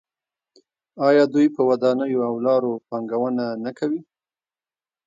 آیا دوی په ودانیو او لارو پانګونه نه کوي؟